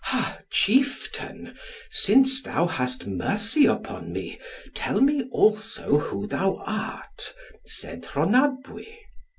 "Ha, chieftain, since thou hast mercy upon me, tell me also who thou art," said Rhonabwy.